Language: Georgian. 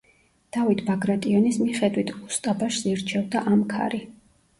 დავით ბაგრატიონის მიხედვით, უსტაბაშს ირჩევდა ამქარი.